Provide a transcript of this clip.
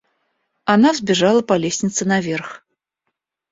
Она взбежала по лестнице наверх.